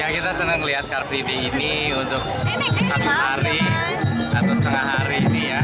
kita senang melihat car free day ini untuk satu setengah hari